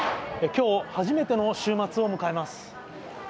今日初めての週末を迎えます